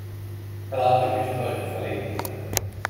Felálltak és az ajtó felé indultak.